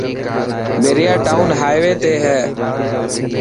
بهريا ٽاون هائوي تي هي.